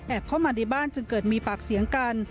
เข้ามาในบ้านจึงเกิดมีปากเสียงกัน